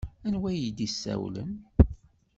Anwa ay d-yessawlen?